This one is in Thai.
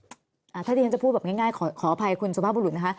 ถ้าที่ฉันจะพูดแบบง่ายขออภัยคุณสุภาพบุรุษนะคะ